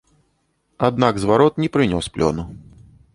Аднак зварот не прынёс плёну.